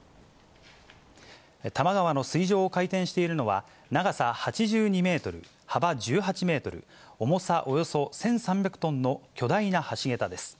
多摩川の水上を回転しているのは、長さ８２メートル、幅１８メートル、重さおよそ１３００トンの巨大な橋桁です。